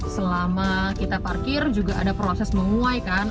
selama kita parkir juga ada proses menguai kan